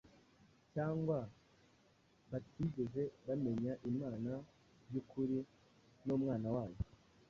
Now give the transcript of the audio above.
cyangwa batigeze bamenya Imana y’ukuri n’Umwana wayo.